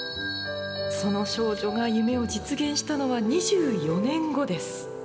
その少女が夢を実現したのは２４年後です。